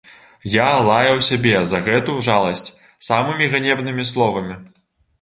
Я лаяў сябе за гэту жаласць самымі ганебнымі словамі.